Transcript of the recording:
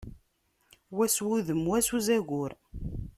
Wa s wudem, wa s uzagur.